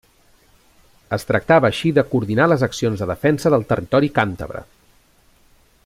Es tractava així de coordinar les accions de defensa del territori càntabre.